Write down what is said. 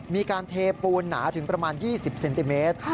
มีการเทปูนหนาถึงประมาณ๒๐เซนติเมตร